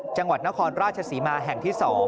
จังหวัดนครราชศรีมาแห่งที่๒